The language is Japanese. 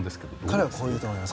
彼はこう言うと思います。